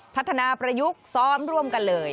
พัฒนาประยุกต์ซ้อมร่วมกันเลย